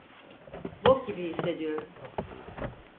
Bok gibi hissediyorum.